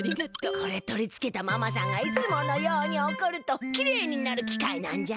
これ取りつけたママさんがいつものようにおこるときれいになるきかいなんじゃ。